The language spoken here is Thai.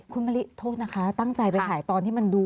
คุณมะลิโทษนะคะตั้งใจไปถ่ายตอนที่มันดู